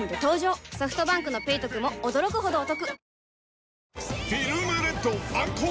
ソフトバンクの「ペイトク」も驚くほどおトク